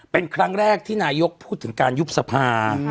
เป็นครั้งแรกที่นายกพูดถึงการยุบสภา